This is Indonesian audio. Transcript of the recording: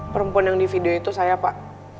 perempuan yang di video itu saya pak